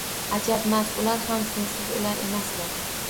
Ajabmas, ular ham sensiz — ular emaslar.